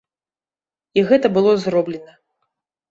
І гэта было зроблена.